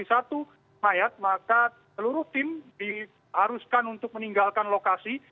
satu mayat maka seluruh tim diharuskan untuk meninggalkan lokasi